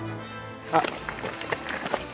あっ！